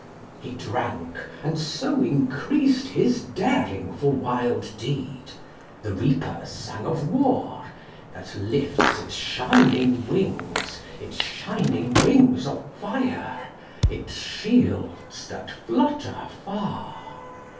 He drank, and so increased His daring for wild deed. The reapers sang of war That lifts its shining wings, Its shining wings of fire, Its shields that flutter far.